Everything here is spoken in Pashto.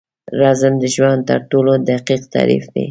رزم د ژوند تر ټولو دقیق تعریف دی.